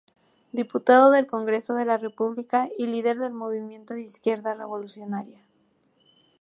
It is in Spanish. Diputado del Congreso de la República y líder del Movimiento de Izquierda Revolucionaria.